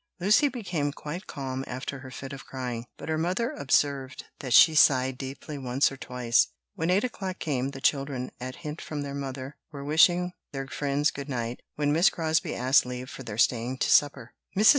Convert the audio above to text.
Lucy became quite calm after her fit of crying, but her mother observed that she sighed deeply once or twice. When eight o'clock came, the children, at a hint from their mother, were wishing their friends good night, when Miss Crosbie asked leave for their staying to supper. Mrs.